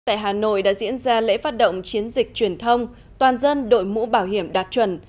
tại hà nội đã diễn ra lễ phát động chiến dịch truyền thông toàn dân đội mũ bảo hiểm đạt chuẩn